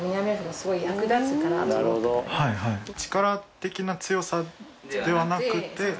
力的な強さではなくて。